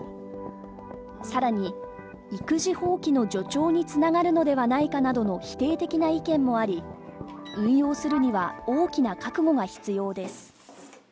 更に育児放棄の助長につながるのではないかなどの否定的な意見もあり、運用するには大きな覚悟が必要です。